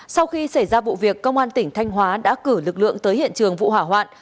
sau khi xảy ra vụ việc công an tỉnh thanh hóa đã cử lực lượng tới hiện trường vụ hỏa hoạn